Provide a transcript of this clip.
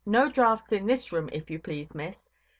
No draughts in this room, if you please, miss.